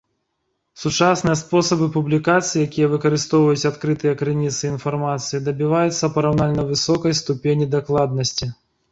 Сучасныя спосабы публікацыі, якія выкарыстоўваюць адкрытыя крыніцы інфармацыі, дабіваюцца параўнальна высокай ступені дакладнасці.